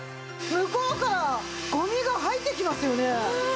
向こうからゴミが入ってきますよね！